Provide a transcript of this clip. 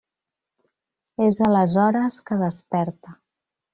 És aleshores que desperta.